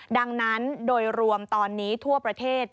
ดังนั้นโดยรวมตอนนี้ทั่วประเทศ